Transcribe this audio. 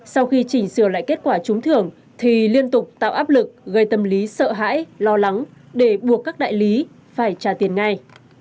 sau khi chỉnh sửa lại kết quả trúng thưởng thì liên tục tạo áp lực gây tâm lý sợ hãi lo lắng để buộc các đại lý phải trả tiền ngay